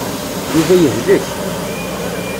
Yuba yehlek.